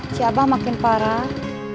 si abah makin parah